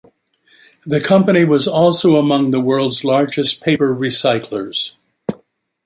The company was also among the world's largest paper recyclers.